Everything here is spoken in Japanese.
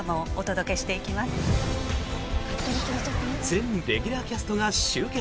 全レギュラーキャストが集結！